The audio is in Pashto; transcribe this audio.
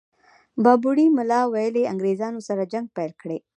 بابړي ملا ویلي انګرېزانو سره جنګ پيل کړي.